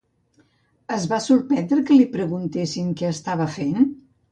Es va sorprendre que li preguntessin què estava fent?